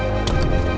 lo mau kemana